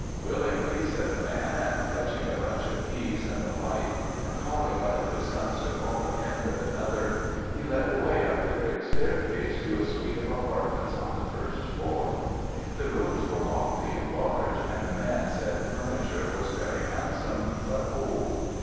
"'Willingly,' said the man, and fetching a bunch of keys and a light, and calling one of his sons to follow him with another, he led the way up the great staircase to a suite of apartments on the first floor. The rooms were lofty and large, and the man said the furniture was very handsome, but old.